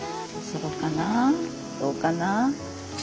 どうかな？